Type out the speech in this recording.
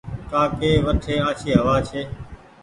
ڪآ ڪي وٺي آڇي هوآ ڇي ۔